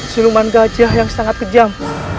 siluman gajah yang sangat kejam